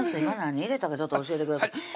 今何入れたかちょっと教えてください